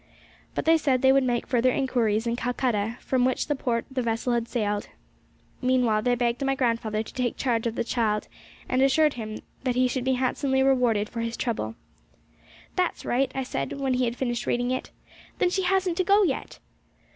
But they said they would make further inquiries in Calcutta, from which port the vessel had sailed. Meanwhile they begged my grandfather to take charge of the child, and assured him he should be handsomely rewarded for his trouble. 'That's right!' I said, when he had finished reading it. 'Then she hasn't to go yet!'